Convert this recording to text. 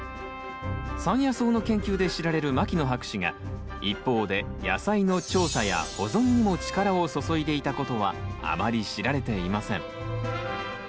山野草の研究で知られる牧野博士が一方で野菜の調査や保存にも力を注いでいたことはあまり知られていません。